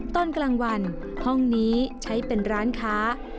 ตอนกลางวันห้องนี้ใช้เป็นร้านค้า